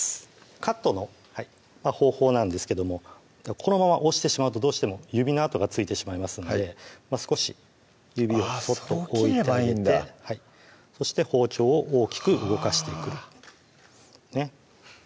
カットの方法なんですけどもこのまま押してしまうとどうしても指の跡がついてしまいますので少し指をあっそう切ればいいんだそして包丁を大きく動かしていくねっ